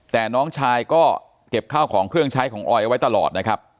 แต่น้องชายก็เก็บข้าวของเครื่องใช้ของออยเอาไว้ตลอดนะครับ